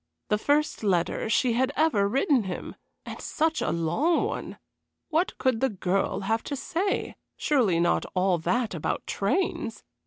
The first letter she had ever written him, and such a long one! What could the girl have to say? Surely not all that about trains!